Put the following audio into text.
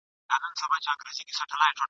نه به تر لاندي تش کړو جامونه !.